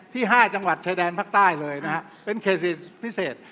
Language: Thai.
ที่๕จังหวัดชายแดนภาคใต้เลยเป็นเขตเศรษฐกิจพิเศษ